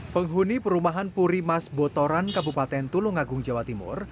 penghuni perumahan purimas botoran kabupaten tulungagung jawa timur